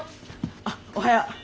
あっおはよ。